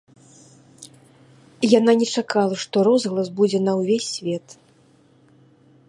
Яна не чакала, што розгалас будзе на ўвесь свет.